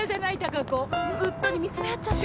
うっとり見つめ合っちゃって。